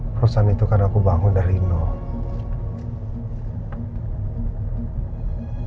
perusahaan itu karena aku bangun dari nol